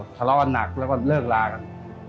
ทะเลาะกันหนักแล้วก็เลิกลากัน